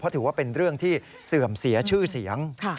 ถือว่าเป็นเรื่องที่เสื่อมเสียชื่อเสียง